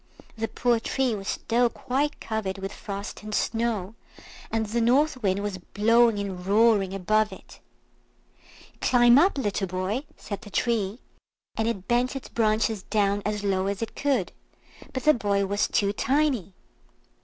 The poor tree was still quite covered with frost and snow, and the North Wind was blowing and roaring above it. "Climb up! little boy," said the Tree, and it bent its branches down as low as it could; but the boy was too tiny.